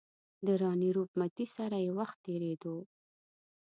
د راني روپ متي سره یې وخت تېرېدو.